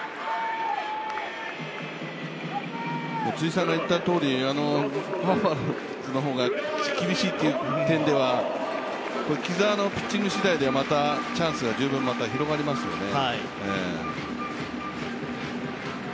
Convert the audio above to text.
辻さんが言ったとおりバファローズの方が厳しいという点では木澤のピッチング次第では、チャンスが十分広がりますよね。